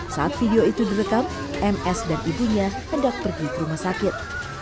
saat video itu direkam ms dan ibunya hendak pergi ke rumah sakit